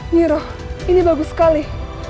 niro ini bagus sekali